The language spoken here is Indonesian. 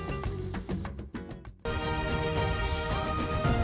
sepanjang dan juga ajangan para pelajar